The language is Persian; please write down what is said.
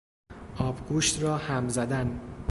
آبگوشت را هم زدن